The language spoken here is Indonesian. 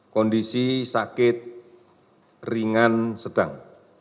kondisi sakit ringan sedang